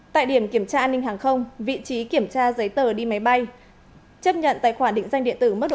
tại điểm kiểm tra an ninh hàng không vị trí kiểm tra giấy tờ đi máy bay chấp nhận tài khoản định danh điện tử mức độ